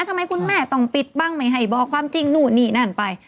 ทำไมคุณแม่ต้องปิดบ้างไม่ให้บอกความจริงนู่นนี่นั่นไป